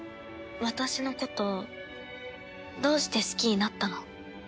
私のことどうして好きになったの？